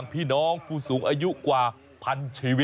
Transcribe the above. เนนปืนบ้านด้วย